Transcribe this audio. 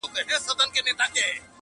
په موږک پسي جوړ کړی یې هی هی وو؛